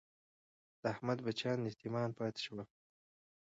د احمد بچیان یتیمان پاتې شول.